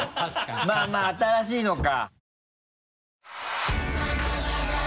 まぁまぁ新しいのか。